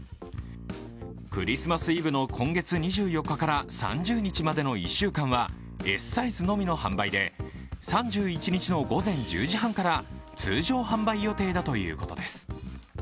クリスマスイブの今月２４日から３０日までの１週間はＳサイズのみの販売で３１日の午前１０時半から通常販売予定だということです。